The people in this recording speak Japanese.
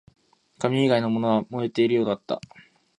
紙以外のものも燃えているようだった